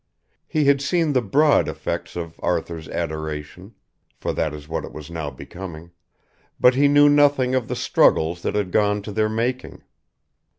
He had seen the broad effects of Arthur's adoration for that is what it was now becoming but he knew nothing of the struggles that had gone to their making.